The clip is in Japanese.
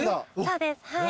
そうですはい。